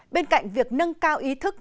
bên cạnh việc nâng cao ý thức